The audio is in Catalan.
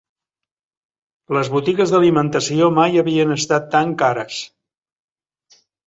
Les botigues d'alimentació mai havien estat tan cares.